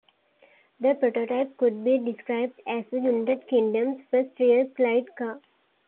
The prototype could be described as the United Kingdom's first real light car.